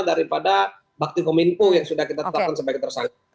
daripada bakti kominku yang sudah kita tetapkan sampai tersanggung